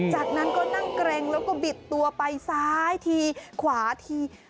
จากนั้นก็นั่งเกร็งแล้วก็บิดตัวไปซ้ายทีขวาที